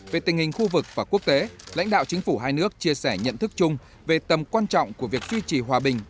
về tình hình khu vực và quốc tế lãnh đạo chính phủ hai nước chia sẻ nhận thức chung về tầm quan trọng của việc duy trì hòa bình